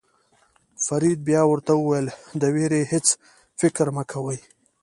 فرید بیا ورته وویل د وېرې هېڅ فکر مه کوئ.